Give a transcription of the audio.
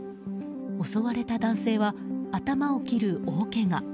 襲われた男性は、頭を切る大けが。